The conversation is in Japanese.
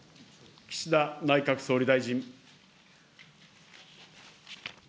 岸田内閣総理大臣。